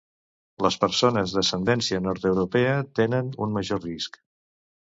Les persones d'ascendència nord-europea tenen un major risc.